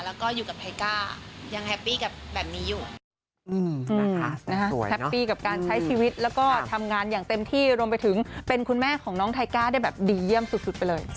แล้วก็อยู่กับไทก้ายังแฮปปี้กับแบบนี้อยู่นะคะ